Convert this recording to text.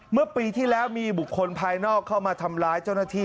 เมื่อปีที่แล้วมีบุคคลภายนอกเข้ามาทำร้ายเจ้าหน้าที่